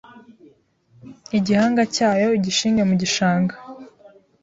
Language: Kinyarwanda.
igihanga cyayo ugishinge mu gishanga